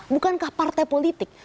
bukankah partai politik